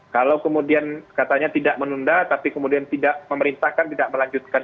kalau kemudian katanya tidak menunda tapi kemudian tidak memerintahkan tidak melanjutkan